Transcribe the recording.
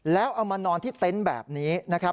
แล้วเอามานอนที่เต็นต์แบบนี้นะครับ